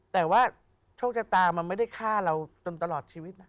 แต่ว่าโชคชะตามันไม่ได้ฆ่าเราจนตลอดชีวิตนะ